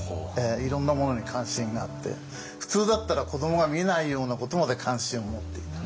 いろんなものに関心があって普通だったら子どもが見ないようなことまで関心を持っていた。